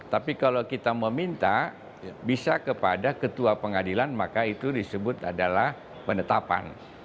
tapi kalau kita meminta bisa kepada ketua pengadilan maka itu disebut adalah penetapan